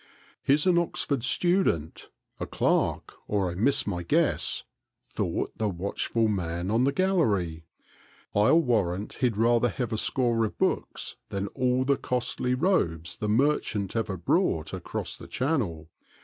" He 's an Oxford student, a clerk, or I miss my guess," thought the watchful man on the gallery. " I '11 warrant he 'd rather have a score of books than all the costly robes the merchant ever brought across the Channel.